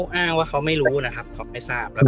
สุดท้ายก็ไม่มีทางเลือกที่ไม่มีทางเลือก